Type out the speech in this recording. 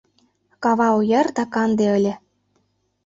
Кава ояр да канде ыле